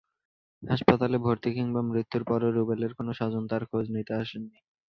হাসপাতালে ভর্তি কিংবা মৃত্যুর পরও রুবেলের কোনো স্বজন তাঁর খোঁজ নিতে আসেননি।